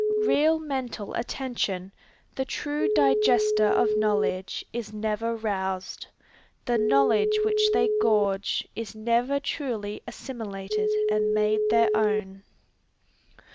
Real mental attention, the true digester of knowledge, is never roused. The knowledge which they gorge, is never truly assimilated and made their own.